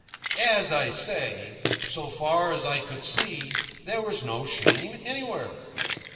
As I say, so far as I could see, there was no shame anywhere.